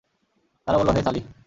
তারা বলল, হে সালিহ!